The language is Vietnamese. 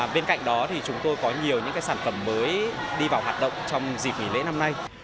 bên cạnh đó thì chúng tôi có nhiều những sản phẩm mới đi vào hoạt động trong dịp nghỉ lễ năm nay